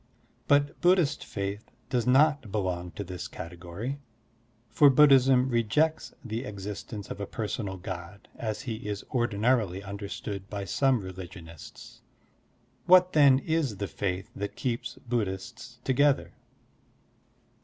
But Bud dhist faith does not belong .to this category, for Buddhism rejects the existence of a personal God as he is ordinarily understood by some religionists. What, then, is the faith that keeps Buddhists together?